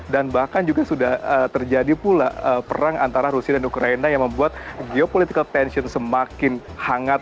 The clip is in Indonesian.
dan bahkan juga sudah terjadi pula perang antara rusia dan ukraina yang membuat geopolitical tension semakin hangat